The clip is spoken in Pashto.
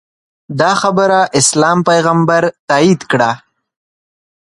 دا خبره اسلام پیغمبر تاییده کړه